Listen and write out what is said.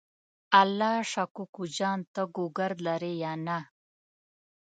الله شا کوکو جان ته ګوګرد لرې یا نه؟